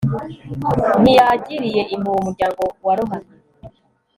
ntiyagiriye impuhwe umuryango warohamye